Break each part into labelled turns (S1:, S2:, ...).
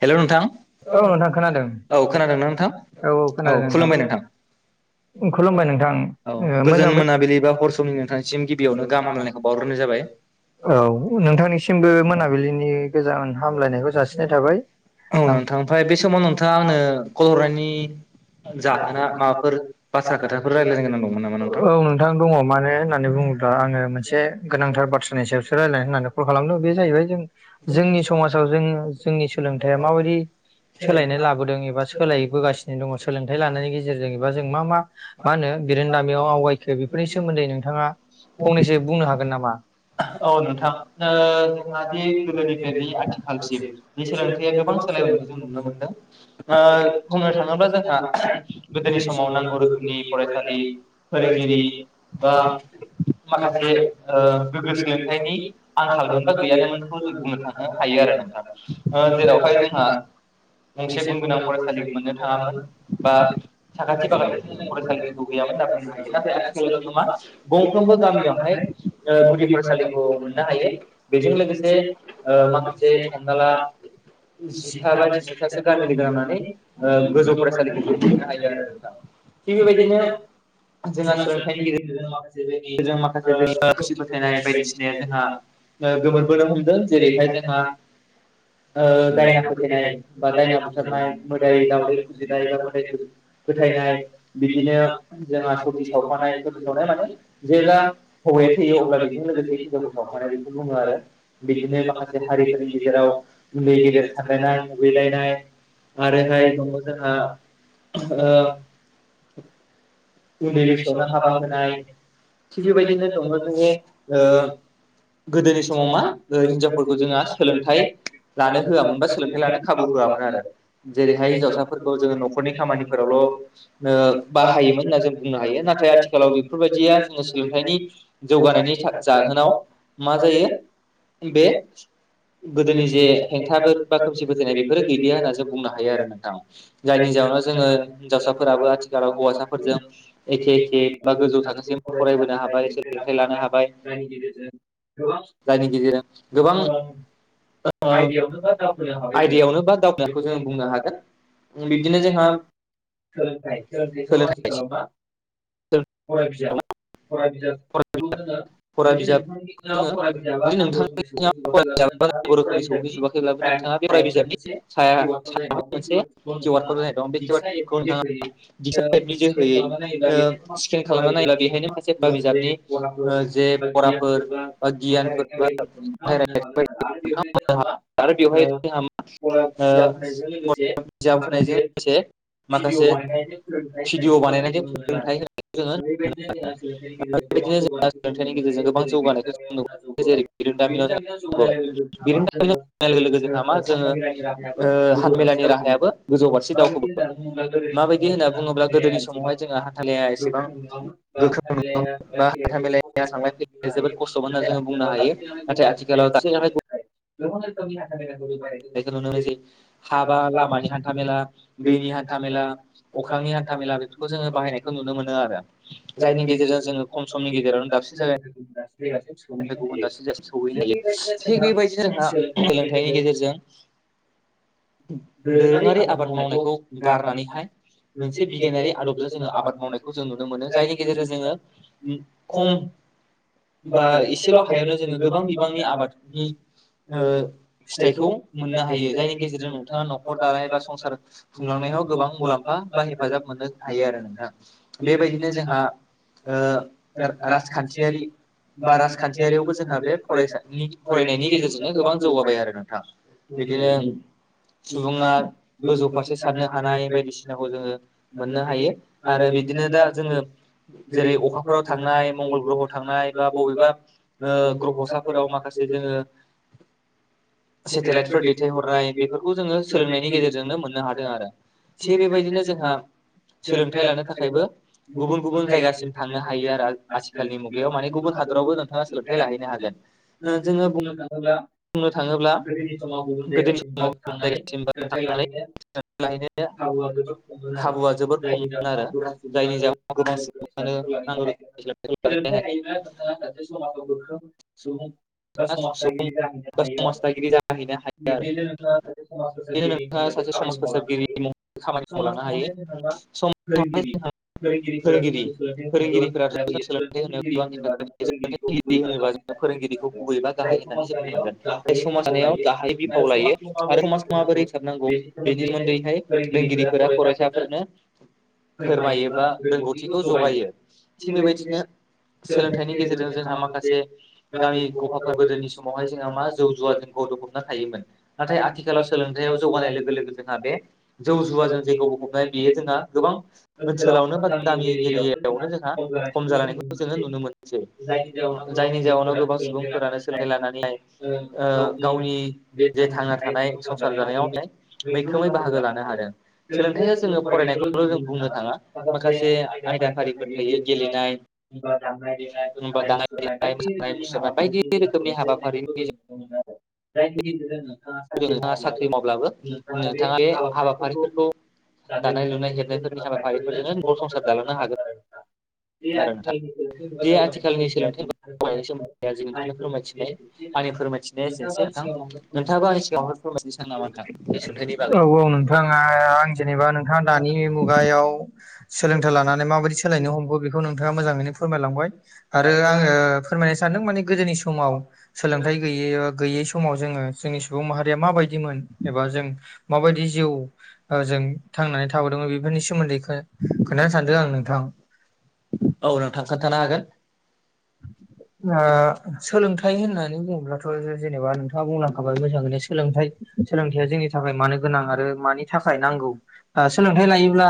S1: हेल' नोंथां औ खोनादों ना नोंथां औ खुलुमबाय नोंथां औ गोजोन मोनाबिलिबा हर समनि नोंथांसिम गिबि बेयावनो गाहामलायनायखौ बावग्रोनाय जाबाय
S2: औ नोंथांनिसिमबो मोनाबिलिनि गोजान हामलायनायखौ जासिगोरो नाय थाबाय
S1: औ
S2: म
S1: नोंथां ओमफ्राय बे समाव नोंथाङा आंनो कल
S2: आङो
S1: हरनायनि जाहोना माबाफोर बाथ्रा खोथाफोर
S2: बर
S1: रायज्लायनो गोनां दंमोन नामा
S2: औ नोंथां दङ मानो होननानै बुङोब दा आङो मोनसे गोनांथार बाथ्रानि सायावसो रायजलायनाय होननानै कल खालामदों बे जाहैबाय जों जोंनि समाजाव जों जोंनि सोलोंथाइया माबायदि सोलायनाय लाबोदों एबा सोलायबोगासिनो दङ सोलोंथाइ लानायनि गेजेरजों एबा जों मा मा मा होनो बिरोनदामियाव आवगायखो बेफोरनि सोमोन्दै नोंथाङा फंनैसो बुंनो हागोन नामा औ
S1: नोंथां ओ
S2: जों
S1: जोंहा दि गोदोनिफ्रायनि
S2: गोदोनिफ्राय आथिखालसिम बे सोलोंथाइया गोबां
S1: सोलायबोनायखौ
S2: सोलायबोदों
S1: जों
S2: माने
S1: नुनो मोनदों ओ
S2: जेब्ला
S1: बुंनो
S2: जोंहा
S1: थाङोब्ला जोंहा
S2: गोदोनि समाव नांगौ रोखोमनि फरायसालि फोरोंगिरि
S1: बा माखासे
S2: माने
S1: ओ गोग्गो
S2: गोगो सोलोंथाइनि आंखाल
S1: आंखालमोन बा
S2: मोनबा
S1: गैयानोमोनखौ जों
S2: गैयानोमोन
S1: बुंनो थांनो हायो आरो नोंथां ओ जेरावहाय
S2: जेरावहाया जोंहा मोनसे गुन गोनां फरायसालि मोननो थाङामोन बा
S1: साखाथि
S2: खाथि
S1: फाखाथि जोङो
S2: खालिफोरनि फरायसालिफोरखौ
S1: गैयामोन होनना बुंनो हायो नाथाय जोङो मा
S2: आथिखालाव
S1: गंफ्रोमबो गामियावहाय ओ
S2: [unintelligible]
S1: गुदि
S2: गुलि
S1: फरायसालिखौ
S2: फलिखौ मोननो हायो
S1: बेजों लोगोसे
S2: बेनि
S1: ओ
S2: आरो माखासे
S1: हमना ला
S2: गोरा जिथा बा
S1: जिनैथासो
S2: जिथाम
S1: लोगो
S2: गामि
S1: नांनानै
S2: मे
S1: ओ गोजौ
S2: गोजौफबनो
S1: फरायसालिखौबो मोननो
S2: हायो आरो
S1: नोंथां थिग बेबायदिनो
S2: नो
S1: जोंहा
S2: ज
S1: सोलोंथाइनि
S2: ज
S1: गेजेरजों
S2: [unintelligible]
S1: माखासे जों खुमसि फोथायनाय बायदिसिनाया जोंहा गोमोरबोनो हमदों जेरैहाय जोंहा दायना फोथायनाय बा दायना बुथारनाय मोदाय दावदै फुजिनाय बा मोदाय गुजि फोथायनाय बिदिनो जोंहा सति सावफानाय सति सावनाय माने जेब्ला हौवाया थैयो अब्ला बेजों लोगोसे हिनजावखौ सावखानाय बेखौ बुङो आरो बिदिनो माखासे हारिफोरनि गेजेराव उन्दै गेदेर सानलायनाय मुगैलायनाय आरोहाय दङ जोंहा ओ
S2: अ
S1: उन्दै बैसोआवनो हाबा होनाय बेबायदिनो दङ जोंनि गोदोनि समाव मा हिनजावफोरखौ जोंहा सोलोंथाइ लानो होआमोन बा सोलोंथाइ लानो खाबु होआ जेरैहाय हिनजावसाफोरखौ जोङो न'खरनि खामानिफोरावल बाहायोमोन जों बुंनो हायो नाथाय आथिखालाव बेफोरबायदि जों सोलोंथाइ नि जौगानायनि जाहोनाव मा जायो बे गोदोनि जे हेंथाफोर बा खोमसि फोथायनाय बेफोरो गैलिया होनना जों बुंनो हायो आरो नोंथां जायनि ज वनाव जोङो हिन्जावसाफोराबो आथिखालाव हौवासाफोरजों एखे एखे बा गोजौ थाखोसिम फरायबोनो हाबाय सोलोंथाइ लानो हाबाय जायनि गेजेरजों गोबां आयदायावनो बा दावगानायखौ जोंङो बुंनो हागोन बिदिनो जोंहा
S2: सोलोंथाइ सोलोंथाइखौ
S1: सोलोंथाइ
S2: आथिखालाव मा फराय बिजाब फराय बिजाब
S1: फरा बिजाबखौ जोङो जुदि नोंथांनि फरायजाबा नांगौ रोखोमै सौहैजोबाखैब्लाबो नोंथाङा बे फराय बिजाबनि साया सायाव मोनसे किउ आर कड होनाय दं बे किउ आर
S2: [unintelligible] [unintelligible]
S1: क'डखौ नोंथाङा दिगसाइडनि
S2: माबानाय
S1: जोहैयै स्केन खालामना नायला बेहायनो माशसे बिजाबनि जे फराफोर बा गियानफोर बा बायदि
S2: [unintelligible]
S1: आरो बेवहाय जोंहा मा बिजाब होनायजों लोगोसे माखासे भिडिअ बानायनायजों फोरोंथाइ होन जोङो नुनो हायो
S2: सोलोंथाइनि गेजेरजों गोबां
S1: जौगानायखौ जों नुबोदों
S2: जौगानायखौ
S1: जेरै बिरोंदामिनाव
S2: जों
S1: जोंहा जौगाबाय
S2: मोननो‌
S1: बिरोंदामिनाव
S2: हायो
S1: जौगानाय लोगो जोंहा मा
S2: बेनिखायनो
S1: जोङो
S2: जौगानाय
S1: ओ
S2: जोङो
S1: हान्थामेलानि राहायाबो
S2: [unintelligible]
S1: गोजौ फारसे दावखोबोबाय
S2: राहायाबो गोजौ‌
S1: माबायदि होनना बुङोब्ला
S2: फारसे
S1: गोदोनि समावहाय जोंहा
S2: जौगायो
S1: हान्थामेलाया एसेबां
S2: आरो [unintelligible] [unintelligible] [unintelligible]
S1: गोख्रों नङामोन बा हान्था मेलाया थांलाय फैलाया जोबोद खस्थ'मोन होनना जोङो बुंनो हायो नाथाय आथिखालाव दाबसे जायगानिफ्राय नुनो मोनसै
S2: हाबा
S1: लामानि हान्था मेला
S2: हान्थामेला दैनि
S1: हान्था
S2: हान्थामेला
S1: मेला अख्रांनि हान्था मेला बेफोरखौ जोङो बाहायनायखौ नुनो मोनो आरो
S2: [unintelligible] जायनि
S1: गेजेरजों जोङो खम समनि गेजेरावनो दाबसे जायगानिफ्राय
S2: गेजेरजों [unintelligible] दसौहैनो
S1: गुबुन
S2: हायो
S1: दाबसे जायगासिम सौहैनो
S2: थिग
S1: हायो
S2: बेबायदि
S1: थिग बेबायदिनो
S2: जों
S1: जोंहा
S2: सोलोंनायनि
S1: सोलोंथाइनि
S2: लोगो [inaudible]
S1: गेजेरजों दोरोङारि आबाद मावनायखौ गारनानैहाय मोनसे बिगियानारि आदबजों जोङो आबाद मावनायखौ जों नुनो मोन जायनि गेजेरजों जोङो खम बा एसेल हायावनो जोङो गोबां बिबांनि आबादनि फिथाइखौ मोननो हायो जायनि गेजेरजों नोंथाङा न'खर दानाय एबा संसार खुंलांनाय गोबां मुलाम्फा बा हेफाजाब मोननो हायो आरो नोंथाङा बेबायदिनो जोंहा राजखान्थियारि बा राजखान्थियारियावबो जोंहा बे फरायनायनि गेजेरजोंनो गोबां जौगाबाय आरो नोंथां बिदिनो सुबुङा गोजौ फारसे साननो हानाय बायदिसिनाखौ जोङो मोननो हायो आरो दा जोङो
S2: बिदिनो
S1: जेरै अखाफोराव थांनाय मंगल ग्रहआव थांनाय बा बबेबा ग्रफसाफोराव माखासे जोङो सेटेलाइटफोर दैथायहरनाय बेफोरखौ जोङो सोलोंनायनि गेजेरजोंनो मोननो हादों आरो थिग बेबायदिनो जोंहा
S2: सोलोंथाइ लानो थाखायबो गुबुन गुबुन जायगथिं
S1: जायगासिम
S2: थांनो हायो आरो आथिखाालनि
S1: आथिखालनि मुगायाव माने गुबुन हादरावबो नोंथाङा सोलोंथाइ लाहैनो हागोन जोङो बुंनो थाङोब्ला गोदोनि समाव गुबुन जायगासिम
S2: मुगायाव
S1: थांनानै
S2: [unintelligible] [inaudible]
S1: सोलोंथाइ लाहैनो
S2: खावु बेथ' हमो आरो
S1: खाबुआ जोबोर
S2: जायनि
S1: खममोन
S2: दउनाव
S1: आरो
S2: जों
S1: जायनि
S2: सुबुङानो
S1: जाहोनाव गोबां सुबुङानो नांगौ रोखोमनि सोलोंथाइखौ लाहैनो हाया
S2: [unintelligible] [unintelligible]
S1: सुबुं
S2: समाजिरि जाहैनो
S1: बा
S2: हायो
S1: समाज
S2: आरो
S1: दागिरि जाहैनो हायो आरो
S2: बिब्दिनो जोङो समाज
S1: बिदिनो
S2: फोसागिरि नालाय
S1: नोंथाङा सासे
S2: खामानि
S1: समाज
S2: मावलांनो
S1: फोसाबगिरि
S2: हायो
S1: महरै खामानि मावलांनो हायो
S2: समाज [inaudible]
S1: सम फोरोंगिरि फोरोंगिरिफोराथ' जों सोलोंथाइ होनो गोबां
S2: [inaudible]
S1: हेफाजाब होयो सोलोंथाइगिरि होनोबा जों फोरोंगिरिखौ गुबै बा गाहाय होननानै जों बुंनांगोन
S2: [unintelligible]
S1: जाय समाज दानायाव गाहाय बिफाव लायो आरो समाजखौ माबोरै फोसाबनांगौ
S2: [unintelligible] नि
S1: बेनि
S2: सोमोन्दैनो
S1: सोमोन्दैहाय
S2: फोरोंगिरिफोरा फरायसाफोरनो
S1: फोरमायो
S2: फोरमायोबा
S1: बा रोंगौथिखौ जगायो थिग बेबायदिनो सोलोंथाइनि गेजेरजों जोंहा माखासे गामि गोदोनि समावहाय जोंहा मा जौ जुवा जों गद'फबना थोमोन नाथाय आथिखालाव सोलोंथाइाव जौगानाय लोगो लोगो जोंहा बे जौ जुवाजों जेखौ बबबनाय बियो जोंहा गोबां ओनसोलाव [unintelligible] गामि एरियायावनो जोंहा खम जालांनायखौ नुनो मोनसै। जायनि जाउनाव गोबां सुबुं
S2: गावनि
S1: गावनि जे थांना थानाय संसार जानायाव बेहाय मैखोमै बाहागो लानो हादों सोलोंथाइया जोङो फरायनायखौल' जों बुंनो थाङा माखासे आयदाफारिफोर थायो
S2: [unintelligible]
S1: गेलेनाय
S2: [unintelligible] [unintelligible] बा दामनाय देनाय
S1: बा
S2: मोसानाय
S1: दानाय
S2: मुसुरनाय
S1: देनाय
S2: बायदि
S1: मोसानाय
S2: रोखोमनि
S1: मुसुरनाय
S2: हाबाफारि
S1: बायदि रोखोमनि हाबाफारिनि गेजेरजों
S2: [unintelligible]
S1: नोंथाङा साख्रि मावब्लाबो नोंथाङा बे हाबाफारिफोरखौ
S2: [unintelligible]
S1: दानाय लुनाय हेबनायफोरनि हाबाफारिफोरजोंनो न'खर संसार दालांनो हागोन
S2: [unintelligible] बे
S1: आरो नोंथां
S2: आथिखालनि गोथो एबा
S1: जे
S2: दावगानाय
S1: आथिखालनि
S2: जदाया
S1: सोलोंथाइ
S2: ज
S1: दावगानायनि
S2: फोरमाय
S1: सोमोन्दै आजि नोंथांनो फोरमायथिनाय आंनि
S2: हारिफोरमायथिनाय
S1: फोरमायथिनाया
S2: [unintelligible]
S1: एसेनोसै नोंथां नोंथाङाबो आंनि सिगाङावहाय फोरमायथिनो सानो नामा नोंथां बे सोलोंथाइनि बागै
S2: औ औ नों नोंथाङा आं जेनेबा नोंथाङा दानि मुगायाव सोलोंथाइ लानानै माबायदि सोलायनो हमखो बेखौ नों थाङा मोजाङैनो फोरमायलांबाय आरो आङो फोरमायनो सानदों माने गोदोनि समाव सोलोंथाइ गैयै गैयै समाव जोङो जोंनि सुबुं माहारिया माबायदिमोन एबा जों माबायदि जिउ जों थांनानै थाबोदोंमोन बेफोरनि सोमोन्दै खोन्थानो सानदों आं नोंथां
S1: औ नोंथां खोन्थानो हागोन
S2: [inaudible] ओ सोलोंथाइ होननानै बुङोब्लाथ' जेनेबा नोंथाङा बुंलांखाबाय मोजाङैनो सोलोंथाइ सोलोंथायाइया जोंनि थाखाय मानो गोनां आरो मानि थाखाय नांगौ सोलोंथायाइ लायोब्ला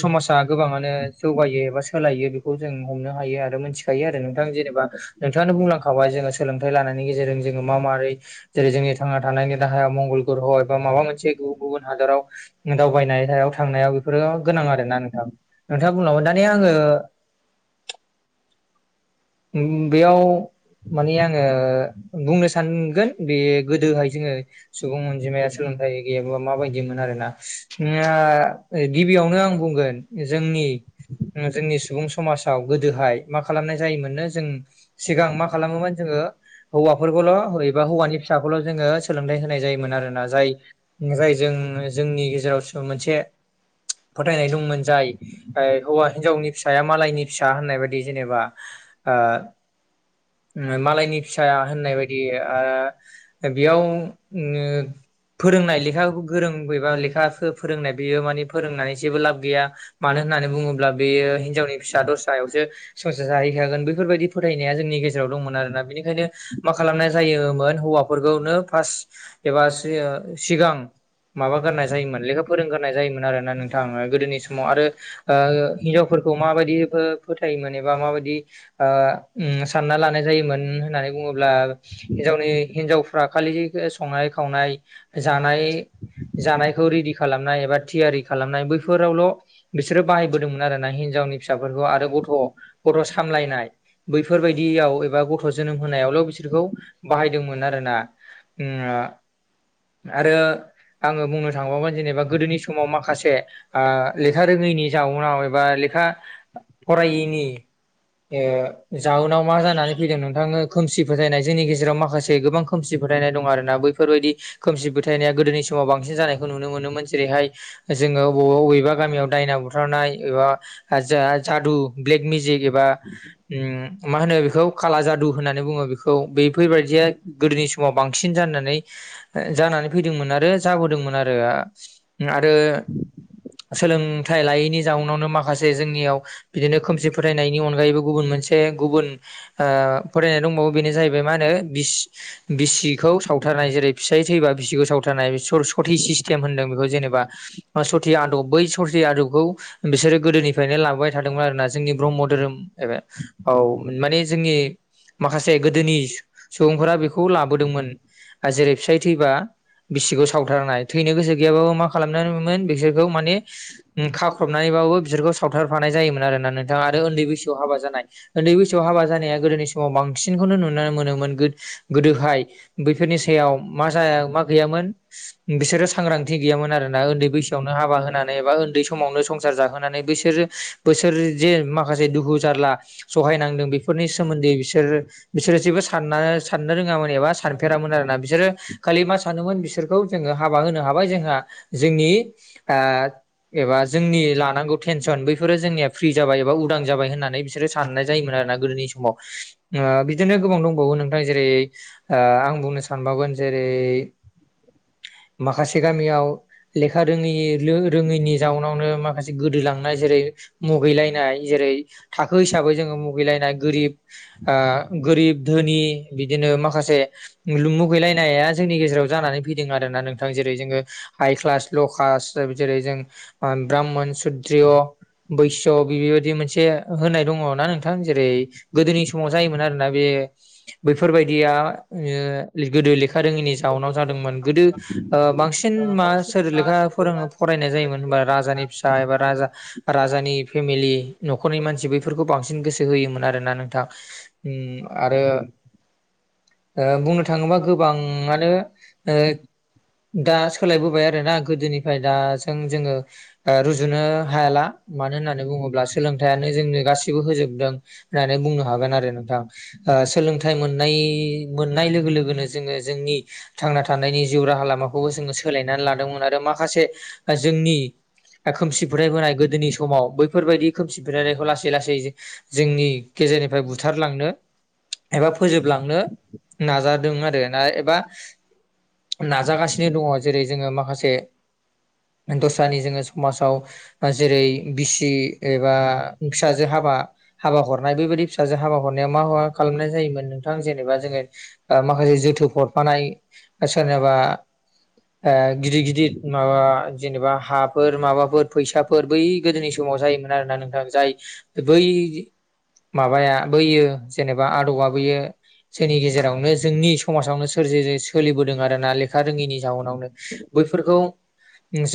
S2: समाजा गोबाङानो जौगायो एबा सोलायो बेखौ जों हमनो हायो आरो मोनथिखायो आरो नों नोंथाङानो बुंलांखाबाय जोङो सोलोंथाइ लानायनि गेजेरजों जोङो मा माबोरै जेरै जोंनि थांना थानायनि राहा मंगल ग्रह एबा माबा मोनसे गुबुन गुबुन हादराव दावबायनायाव थांनायाव बेफोरो होन आरोना नोंथ नोंथाङा बुंलांबाय दानिया आङो बेयाव माने आङो बुंनो सानगोन बे गोदोहाय जोङो सुबुं अनजिमाया सोलों थाइ गैयाबा मा बायदिमोन आरोना गिबियावनो आं बुंगोन जोंनि जोंनि सुबुं समाजाव गोदोहाय मा खालामनाय जायोमोनो जों सिगां मा खालामोमोन जोङो हौवाफोरखौल' एबा हौवानि फिसाखौल' जोङो सोलोंथाइ होनाय जायोमोन आरोोना जाय जायजों जोंनि गेजेरावसो मोनसे फोथायनाय दंमोन जाय हौवा हिन्जावनि फिसाया मालायनि फिसा होननाय बायदि जेनेबा ओ मालायनि फिसाया होननाय बायदि ओ बेयाव फोरोंनाय लेखा गोरोंबा लेखाखो फोरोंनाय बेयो माने फोरोंनानै जेबो लाब गैया मानो होननानै बुङोब्ला बेयो हिनजावनि फिसा दस्रायावसो संसार जाहैखागोन बैफोरबायदि फोथायनाया जोंनि गेजेराव दंमोन आरोना बेनिखायनो मा खालामनाय जायोमोन हौवाफोरखौनो फार्स्ट एबा सिगां माबा ग्रोनाय जायोमोन लेखा फोरोंग्रोनाय जायोमोन आरो नोंथाङा गोदोनि समाव आरो हिनजावफोरखौ माबायदि फोथायोमोन एबा माबायदि सानना लानाय जायोमोन होननानै बुङोब्ला हिनजावनि हिनजावफ्रा खालि संनाय खावनाय जानायखौ रेडि खालामनाय एबा थियारि खालामनाय बैफोरावल' बिसोरो बाहायबोदोंमोन आरो ना हिनजावनि फिसाफोरखौ आरो गथ' गथ' सामलायनाय बैफोरबायदियाव एबा गथ' जोनोम होनायावल' बिसोरखौ बाहायदोंमोन आरोना आरो आङो बुंनो थांबावगोन जेनेबा गोदोनि समाव माखासे लेखा रोङैनि जाउनाव एबा लेखा फरायैनि जाउनाव मा जानानै फैदों नोंथां खोमसि फोथायनाय जोंनि गेजेराव माखासे गोबां खोमसि फोथायनाय दं आरोना बैफोरबायदि खोमसि फोथायनाया गोदोनि समाव बांसिन जानायखौ नुनो मोनोमोन जेरैहाय जोङो बबेबा बबेबा गामियाव दायना बुथारनाय एबा जा जादु ब्लेक मेजिक एबा मा होनो बेखौ खाला जादु होननानै बुङो बेखौ बेफोरबायदिया गोदोनि समाव बांसिन जानानै जानानै फैदोंमोन आरो जाबोदोंमोन आरो आरो [inaudible] सोलोंथाइ लायैनि जाउनावनो माखासे जोंनियाव बिदिनो खोमसि फोथायनायनि अनगायैबो गुबुन मोनसे से गुबुन फोथायनाय दंबावो बेनो जाहैबाय मा होनो बिसिखौ सावथार नाय जेरै फिसाय थैबा बिसिखौ सावथारनाय सर्टेज सिस्टेम होनदों बेखौ जेनेबा सथि आदब बै सथि आदबखौ बिसोरो गोदोनिफ्रायनो लाबोबाय थादोंमोन आरोना जोंनि ब्रह्म धोरोम ए बे औ माने जोंनि माखासे गोदोनि सुबुंफोरा बेखौ लाबोदोंमोन जेरै फिसाय थैबा बिसिखौ सावथारनाय थैनो गोसो गैयाबाबो मा खालामनायमोन बिसोरखौ माने खाख्रबनानैबाबो बिसोरखौ सावथारफानाय जायोमोन आरोना नोंथां आरो उन्दै बैसोआव हाबा हाबा जानाय उन्दै बैसोआव हाबा जानाया गोदोनि समाव बांसिनखौनो नुनो मोनोमोन गोदोहाय बैफोरनि सायाव मा जाया मा गैयामोन बिसोरो सांग्रांथि गैयामोन आरोना उन्दै बैसो आवनो हाबा होनानै एबा उन्दै समावनो संसार जाहोनानै बैसोर बैसोर जे माखासे दुखु जा सहायनांदों बेफोरनि सोमोन्दै बिसोर बिसोरो जेबो साननो रोङामोन एबा सान सानफेरामोन आरोोशना बिसोरो खालि मा सानोमोन बिसोरखौ जोङो हाबा होनो हाबाय जोंहा जोंनि एबा जोंनि लानांगौ टेनसन बैफोरो जोंनिया फ्रि जाबाय एबा उदां जाबाय होननानै बिसोर साननाय जायोमोन आरोना गोदोनि समाव बिदिनो गोबां दंबावो नोंथां जेरै आ बुंनो सानबावगोन जेरै माखासे गामिया लेखा खा रोङै रोङैनि जाउनावनो माखासे गोदोलांनाय जेरै मुगैलायनाय जेरै थाखो हिसाबै जोङो मुगैलायनाय गोरिब गोरिब धोनि बिदिनो माखासे मुगैलायनाया जोंनि गेजेराव जानानै फैदों आरोना नोंथां जेरै जोङो हाइ क्लास ल' क्लास जेरै जों ब्राह्मन सुध्र्य बैस' बेबायदि मोनसे होनाय दङ ना नोंथां जेरै गोदोनि समाव जायोमोन आरोना बे बैफोरबायदिया गोदो लेखा रोङिनि जाउनाव जादोंमोन गोदो बांसिन मा सोर लेखा फोरोंङो फरायनाय जायोमोन होनबा राजानि फिसा एबा राजा राजानि फेमिलि नखरनि मानसि बैफोरखौ बांसिन गोसो होयोमोन आरोना नोंथां आरो बुंनो थाङोबा गोबाङानो दा सोलायबोबाय आरोना गोदोनिफ्राय दा जों जोङो रुजुनो हाला मानो होननानै बुङोब्ला सोलों सोलोंथाइयानो जोंनो गासिबो होजोबदों होननानै बुंनो हागोन आरो नोंथां सोलोंथाइ मोननाय मोननाय लोगोनो जोङो जोंनि थांना थानायनि जिउ राहा लामाखौबो जोङो सोलायनानै लानो मोन आरो माखासे जोंनि खोमसि फोथायबोनाय गोदोनि समाव बैफोरबायदि खोमसि फोथायनायखौ लासै लासै जोंनि गेजेरनिफ्राय बुथारलांनो एबा फोजोबलांनो नाजादों आरो एबा नाजागासिनो दङ जेरै जोङो माखासे दस्रानि जोङो समाजाव जेरै बिसि एबा फिसाजो हाबा हाबा हरनाय बेबायदि फिसाजो हाबा हरनायाव मा मा खालामनाय जायोमोन नोंथां जेनेबा जोङो माखासे जोथोब हरफानाय सोरनिबा गिदिर गिदिर गिदिर माबा जेनेबा हाफोर माबाफोर फैसाफोर बै गोदोनि समाव जायोमोन आरोना नोंथां जाय बै माबाया बैयो जेनेबा आदबआ बैयो जोंनि गेजेरावनो जोंनि समाजावनो सोरजि सोलिबोदों आरोना लेखा रोङैनि जाउनावनो बैफोरखौ